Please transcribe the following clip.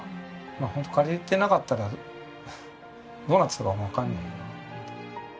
ホント借りてなかったらどうなってたかわかんないよな。